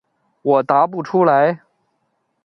我答不出来。